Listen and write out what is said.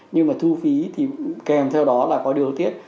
nhưng mà thu phí thì kèm theo đó là có điều tiết